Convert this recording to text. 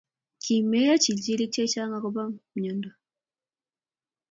Kimeyo chilchilik chechang'akobo myondo